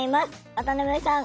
渡辺さん